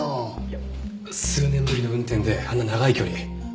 いや数年ぶりの運転であんな長い距離。